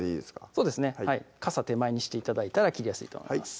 そうですね傘手前にして頂いたら切りやすいと思います